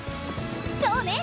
そうね！